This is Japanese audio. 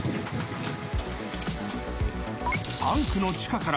［タンクの地下から］